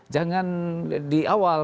jangan di awal